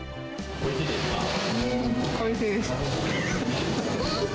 おいしいです。